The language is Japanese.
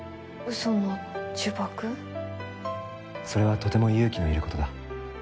それはとても勇気のいる事だ。